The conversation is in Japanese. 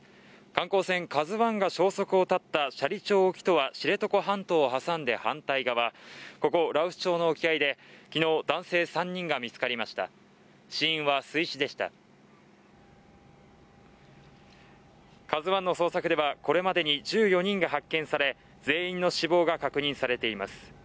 観光船「ＫＡＺＵ１」が消息を絶った斜里町沖とは知床半島を挟んで反対側ここ羅臼町の沖合できのう男性３人が見つかりました死因は水死でした「ＫＡＺＵ１」の捜索ではこれまでに１４人が発見され全員の死亡が確認されています